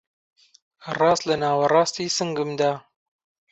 ڕاست لە ناوەڕاستی سنگمدا